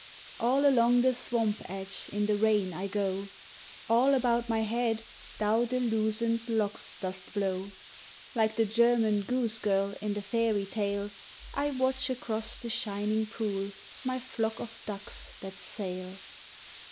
All along the swamp edge in the rain I go; All about my head thou the loosened locks dost blow; Like the German goose girl in the fairy tale, I watch across the shining pool my flock of ducks that sail.